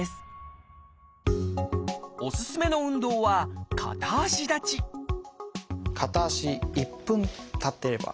おすすめの運動は片足立ち片足１分立ってれば。